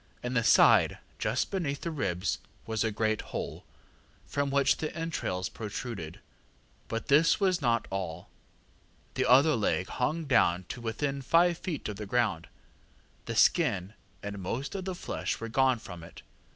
In the side, just beneath the ribs, was a great hole, from which the entrails protruded. But this was not all. The other leg hung down to within five feet of the ground. The skin and most of the flesh were gone from it.